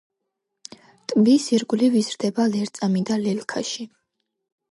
ტბის ირგვლივ იზრდება ლერწამი და ლელქაში.